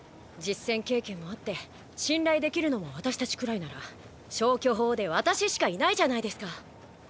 実戦経験もあって信頼できるのも私たちくらいなら消去法で私しかいないじゃないですか。